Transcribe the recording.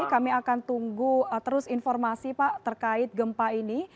kami akan tunggu terus informasi pak terkait gempa ini